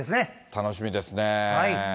楽しみですね。